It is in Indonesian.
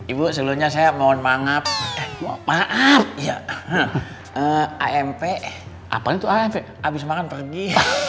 ibu selainnya saya mohon maaf maaf ya hampir apa itu habis makan pergi